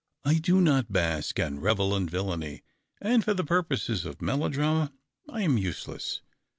I do not bask and revel in villainy, and for the purposes of melodrama I am useless.